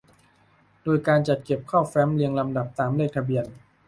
โดยการจัดเก็บเข้าแฟ้มเรียงลำดับตามเลขทะเบียน